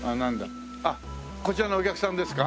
あっこちらのお客さんですか？